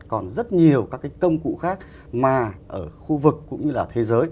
còn rất nhiều các cái công cụ khác mà ở khu vực cũng như là thế giới